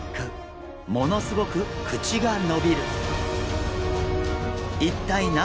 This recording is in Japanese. ものすごく口が伸びる。